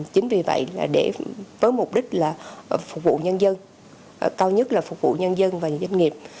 chính vì vậy với mục đích là phục vụ nhân dân cao nhất là phục vụ nhân dân và doanh nghiệp